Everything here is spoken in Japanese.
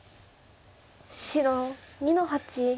白２の八。